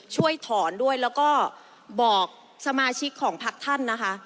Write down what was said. ช่วยถอนด้วยแล้วก็บอกสมาชิกของพักท่านนะคะ